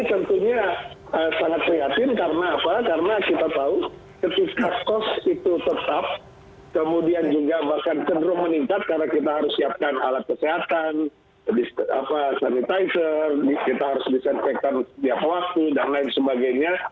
tentunya sangat prihatin karena apa karena kita tahu ketika cost itu tetap kemudian juga bahkan cenderung meningkat karena kita harus siapkan alat kesehatan sanitizer kita harus disinfektan setiap waktu dan lain sebagainya